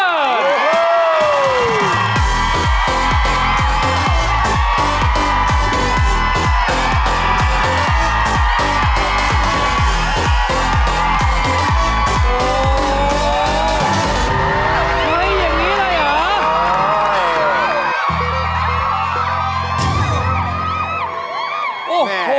เฮ้ยอย่างนี้เลยเหรอ